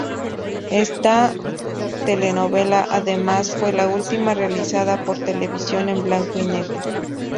Ésta telenovela, además, fue la última realizada por Televisa en blanco y negro.